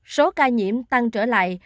số ca nhiễm tăng trở lại